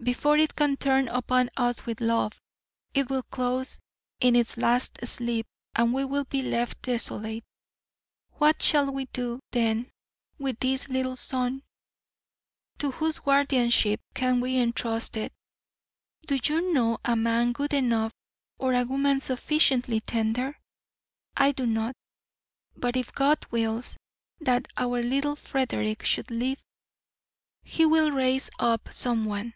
Before it can turn upon us with love, it will close in its last sleep and we will be left desolate. What shall we do, then, with this little son? To whose guardianship can we entrust it? Do you know a man good enough or a woman sufficiently tender? I do not, but if God wills that our little Frederick should live, He will raise up someone.